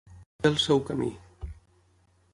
Fer el seu camí.